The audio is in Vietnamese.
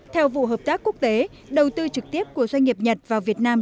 theo vụ hợp tác quốc tế đầu tư trực tiếp của doanh nghiệp nhật vào việt nam